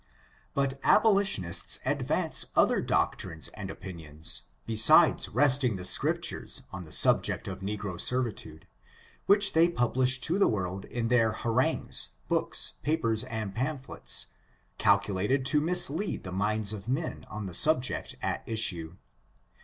But abolitionists advance other doctrines and opin ions, besides wresting the Scriptures on the subject of negro servitude, which they publish to the world in their harangues, books, papers and pamphlets, cal culated to mislead the minds of men on the subject at issue.